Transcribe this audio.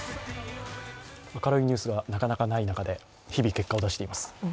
明るいニュースがなかなかない中で、日々結果を出しています。